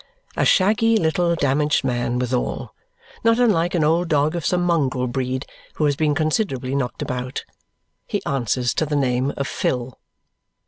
A shaggy little damaged man, withal, not unlike an old dog of some mongrel breed, who has been considerably knocked about. He answers to the name of Phil.